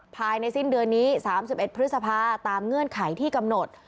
ภายในสิ้นเดือนนี้๓๑พฤษภาตามเงื่อนไขที่กำหนด